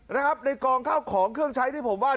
นะครับในกองข้าวของเครื่องใช้ที่ผมว่า